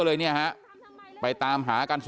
เดี๋ยวให้กลางกินขนม